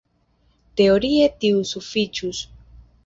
Teorie tio sufiĉus.